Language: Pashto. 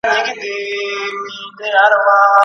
دا منم چي صبر ښه دی او په هر څه کي په کار دی